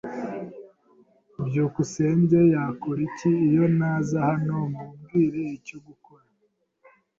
byukusenge yakora iki iyo ntaza hano kumubwira icyo gukora?